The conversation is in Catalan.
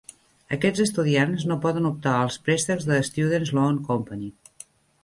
Aquests estudiants no poden optar al préstecs de Students Loan Company.